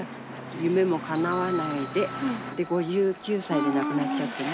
夢も叶わないで５９歳で亡くなっちゃってね。